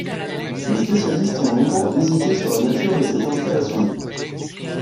Les spécialistes ont longtemps hésité sur la nature de cette installation.